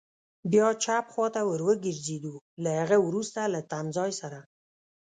بیا چپ خوا ته ور وګرځېدو، له هغه وروسته له تمځای سره.